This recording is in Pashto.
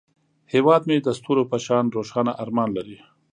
هیواد مې د ستورو په شان روښانه ارمان لري